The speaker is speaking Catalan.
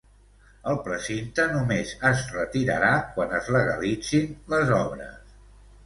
El precinte només es retirarà quan es legalitzin les obres.